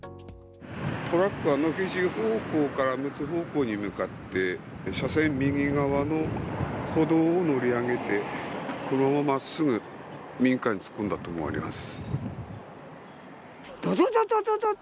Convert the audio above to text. トラックは野辺地方向からむつ方向へ向かって車線右側の歩道を乗り上げてこのまま真っすぐ民家に突っ込んだとみられます。